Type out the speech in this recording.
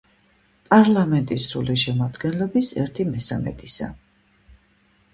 პარლამენტის სრული შემადგენლობის ერთი მესამედისა